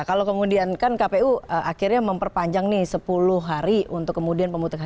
kalau kemudian kan kpu akhirnya memperpanjang nih sepuluh hari untuk kemudian pemutusan